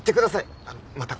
あのまた。